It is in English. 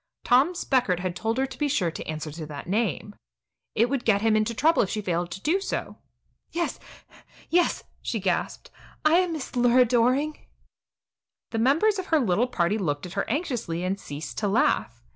Tom Speckert had told her to be sure to answer to that name. It would get him into trouble if she failed to do so. "Yes, yes," she gasped; "I am Mrs. Lura Doring." The members of her little party looked at her anxiously and ceased to laugh.